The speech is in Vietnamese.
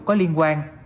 có liên quan